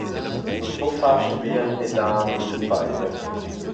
Sas buca far aschi bien e dar a mi il peiver?